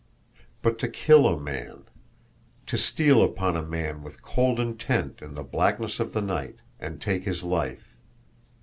But to kill a man! To steal upon a man with cold intent in the blackness of the night and take his life!